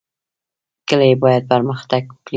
کلي باید پرمختګ وکړي